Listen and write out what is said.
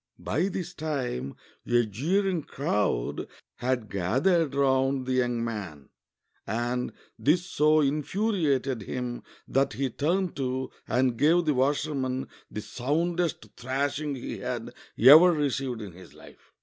By this time a jeering crowd had gathered round the young man, and this so infuriated him that he turned to and gave the washerman the soundest thrashing he had ever received in his life.